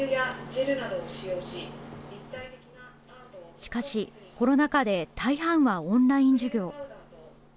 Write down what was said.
しかしコロナ禍で大半はオンライン授業。